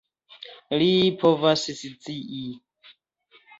Li povas scii.